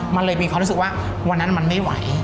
มันเลยมีความรู้สึกว่าวันนั้นมันไม่ไหว